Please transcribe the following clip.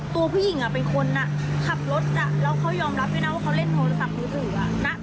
ตัวผู้หญิงเป็นคนขับรถแล้วเขายอมรับด้วยนะว่าเขาเล่นโทรศัพท์มือถือ